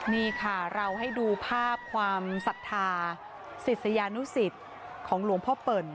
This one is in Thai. นี่ค่ะเราให้ดูภาพความศรัทธาศิษยานุสิตของหลวงพ่อเปิ่น